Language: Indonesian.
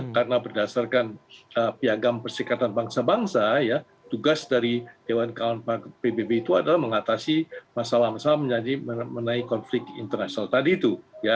karena berdasarkan piagam persikatan bangsa bangsa tugas dari dewan kawan pbb itu adalah mengatasi masalah masalah menaik konflik internasional tadi itu